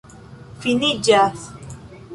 finiĝas